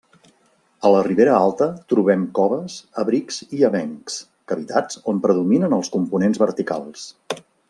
A la Ribera Alta trobem coves, abrics i avencs, cavitats on predominen els components verticals.